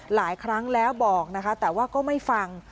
หลายครั้งแล้วบอกนะคะแต่ว่าก็ไม่ฟัง